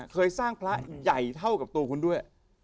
เคยสร้างพระใหญ่เท่ากับตัวคุณด้วย